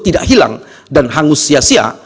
tidak hilang dan hangus sia sia